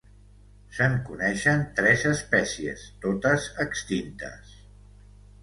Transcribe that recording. Se'n coneixen tres espècies, totes extintes.